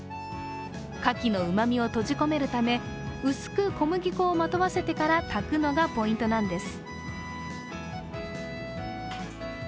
かきのうまみを閉じ込めるため薄く小麦粉をまとわせてから炊くのがポイントなんです。